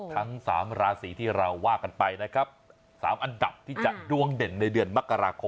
ทั้ง๓ราศีที่เราว่ากันไปนะครับ๓อันดับที่จะดวงเด่นในเดือนมกราคม